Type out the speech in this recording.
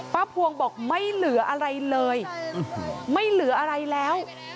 พวงบอกไม่เหลืออะไรเลยไม่เหลืออะไรแล้ว